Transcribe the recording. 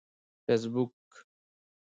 فیسبوک